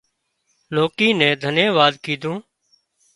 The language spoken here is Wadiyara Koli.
لونڪي نين ڌنيواد ڪيڌون